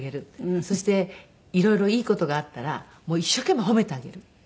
そして色々いい事があったら一生懸命褒めてあげる。